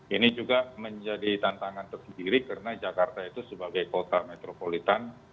ini juga menjadi tantangan tersendiri karena jakarta itu sebagai kota metropolitan